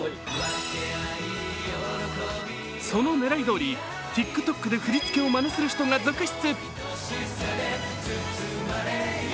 その狙い通り、ＴｉｋＴｏｋで振り付けをまねする人が続出。